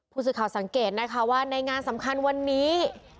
ผู้สื่อข่าวสังเกตนะคะว่าในงานสำคัญวันนี้